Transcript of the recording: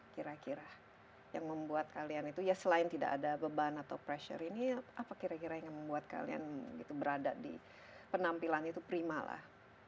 kira kira yang membuat kalian itu ya selain tidak ada beban atau pressure ini apa kira kira yang membuat kalian gitu berada di penampilan itu prima lah